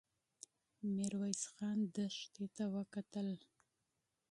ميرويس خان دښتې ته وکتل.